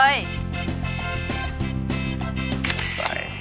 ใส่